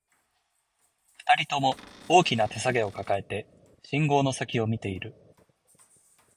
二人とも、大きな手提げを抱えて、信号の先を見ている